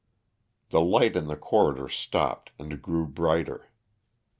The light in the corridor stopped and grew brighter.